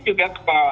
ya mungkin juga